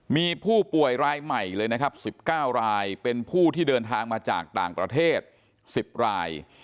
มีผู้ป่วยรายใหม่เลยนะครับ๑๙รายเป็นผู้ที่เดินทางมาจากต่างประเทศ๑๐ราย